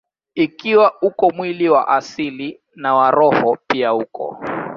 Ikiwa uko mwili wa asili, na wa roho pia uko.